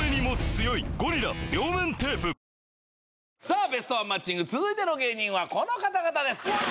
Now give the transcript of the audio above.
さあベストワンマッチング続いての芸人はこの方々です